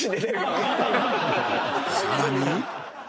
［さらに］